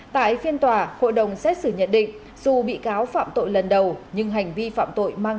tại phiên tòa hội đồng xét xử nhận định dù bị cáo phạm tội lần đầu nhưng hành vi phạm tội mang